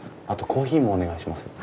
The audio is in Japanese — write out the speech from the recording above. あとコーヒーもお願いします。